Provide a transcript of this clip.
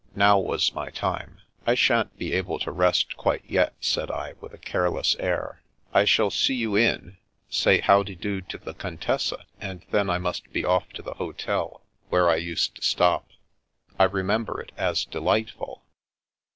Now was my time. " I shan't be able to rest quite yet," said I, with a careless air. " I shall see you in, say * How de do ' to the Contessa, and then I must be off to the hotel where I used to stop. I remem ber it as delightful."